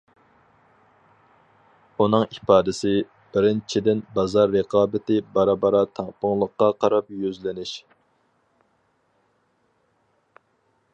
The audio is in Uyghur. ئۇنىڭ ئىپادىسى: بىرىنچىدىن بازار رىقابىتى بارا-بارا تەڭپۇڭلۇققا قاراپ يۈزلىنىش.